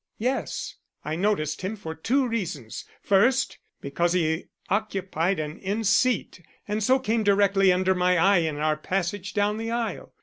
"Yes. I noticed him for two reasons. First, because he occupied an end seat and so came directly under my eye in our passage down the aisle.